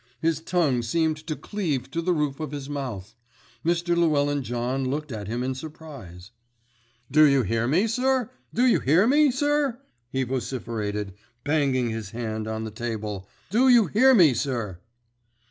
His tongue seemed to cleave to the roof of his mouth. Mr. Llewellyn John looked at him in surprise. "Do you hear me, sir? Do you hear me, sir?" he vociferated, banging his hand on the table. "Do you hear me, sir?"